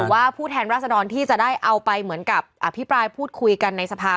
ว่าผู้แทนราษดรที่จะได้เอาไปเหมือนกับอภิปรายพูดคุยกันในสภา